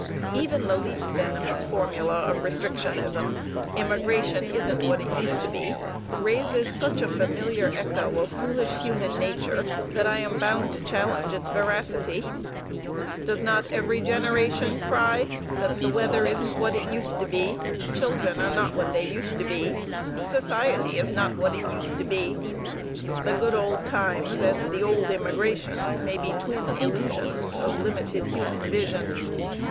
Even the least venomous formula of restrictionism, "immigration isn't what it used to be," raises such a familiar echo of foolish human nature that I am bound to challenge its veracity. Does not every generation cry that the weather isn't what it used to be, children are not what they used to be, society is not what it used to be? "The good old times" and "the old immigration" may be twin illusions of limited human vision.